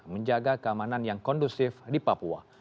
menjaga keamanan yang kondusif di papua